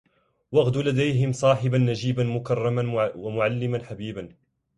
واغْدُ لديهم صاحبا نجيبا مكرما معلما حبيبا